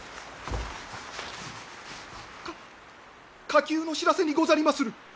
火急の知らせにござりまする！